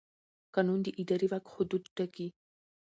قانون د اداري واک حدود ټاکي.